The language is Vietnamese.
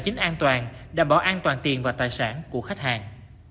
chính an toàn đảm bảo an toàn tiền và tài sản của khách hàng